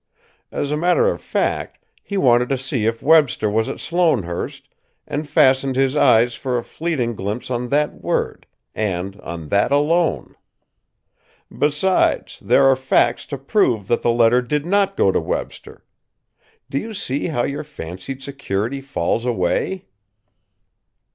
As a matter of fact, he wanted to see if Webster was at Sloanehurst and fastened his eyes for a fleeting glimpse on that word and on that alone. Besides, there are facts to prove that the letter did not go to Webster. Do you see how your fancied security falls away?"